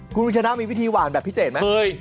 คุณชนะมีวิธีหวานแบบพิเศษไหม